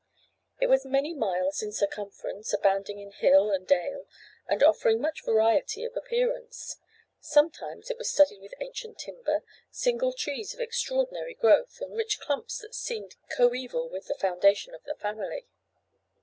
It was many miles in circumference, abounding in hill and dale, and offering much variety of appearance. Sometimes it was studded with ancient timber, single trees of extraordinary growth, and rich clumps that seemed coeval with the foundation of the family.